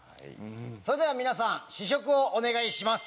それでは皆さん試食をお願いします。